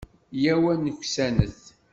Yyaw ad nuksanet.